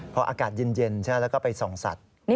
เพราะอากาศหญิงใช่ไหมแล้วก็ไปส่องสัตว์